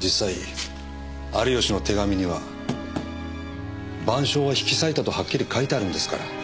実際有吉の手紙には『晩鐘』は引き裂いたとはっきり書いてあるんですから。